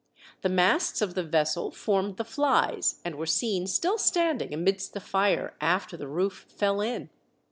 The masts of the vessel formed the flies, and were seen still standing amidst the fire after the roof fell in.